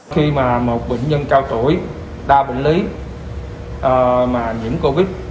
khi mà một bệnh nhân cao tuổi đa bệnh lý mà nhiễm covid